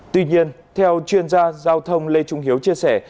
tuy nhiên theo chuyên gia giao thông lê trung hiếu chia sẻ